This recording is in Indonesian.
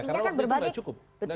karena waktu itu tidak cukup